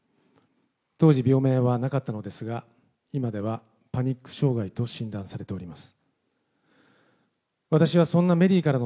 当時、病名はなかったのですが、今ではパニック障害と診断されております。